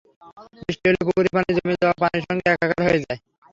বৃষ্টি হলেই পুকুরের পানি জমে যাওয়া পানির সঙ্গে একাকার হয়ে যায়।